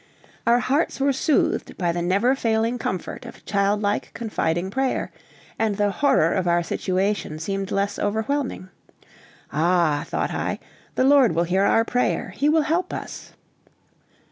Our hearts were soothed by the never failing comfort of child like, confiding prayer, and the horror of our situation seemed less overwhelming. "Ah," thought I, "the Lord will hear our prayer! He will help us."